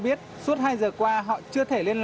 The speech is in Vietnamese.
về trật tự xã hội